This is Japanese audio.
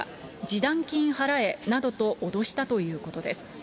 示談金払えなどと脅したということです。